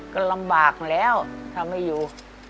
ก็ลำบากแล้วถ้าไม่อยู่